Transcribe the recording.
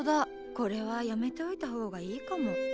これはやめておいた方がいいかも。